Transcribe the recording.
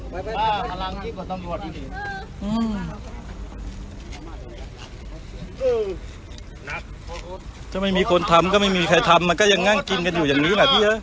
ถ้าไม่มีคนทำก็ไม่มีใครทำมันก็ยังนั่งกินกันอยู่อย่างนี้แหละพี่เอ้